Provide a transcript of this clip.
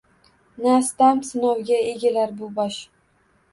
Na sitam-sinovga egilar bu bosh